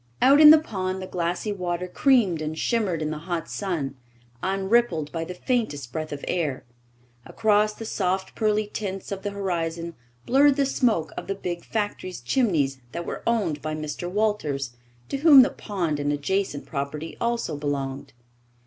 Out in the pond the glassy water creamed and shimmered in the hot sun, unrippled by the faintest breath of air. Across the soft, pearly tints of the horizon blurred the smoke of the big factory chimneys that were owned by Mr. Walters, to whom the pond and adjacent property also belonged.